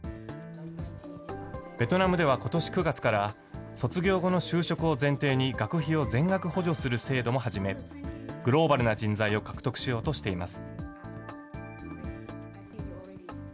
ベトナムではことし９月から、卒業後の就職を前提に学費を全額補助する制度も始め、グローバルな人材を獲得しようとしています。